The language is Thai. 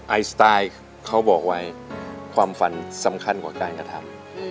ไอสไตล์เขาบอกไว้ความฝันสำคัญกว่าการกระทำ